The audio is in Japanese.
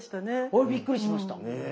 あれびっくりしました。